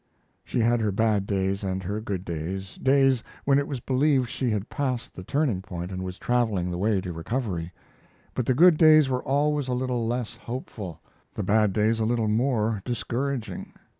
She had her bad days and her good days, days when it was believed she had passed the turning point and was traveling the way to recovery; but the good days were always a little less hopeful, the bad days a little more discouraging.